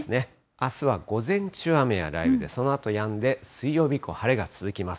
あすは午前中雨や雷雨で、そのあとやんで、水曜日以降、晴れが続きます。